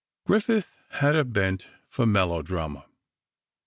Griffith had a bent for melodrama.